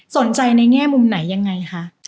สนใจในแง่มุมไหนยังไงคะ